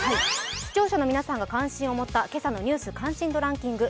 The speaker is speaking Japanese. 視聴者の皆さんが関心を持った関心度ランキング